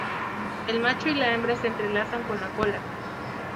El macho y la hembra se entrelazan con la cola.